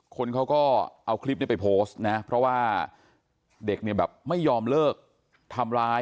คนเขาก็เอาคลิปนี้ไปโพสต์นะเพราะว่าเด็กเนี่ยแบบไม่ยอมเลิกทำร้าย